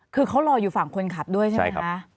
คือเขารออยู่ฝั่งคนขับด้วยใช่ไหมคะ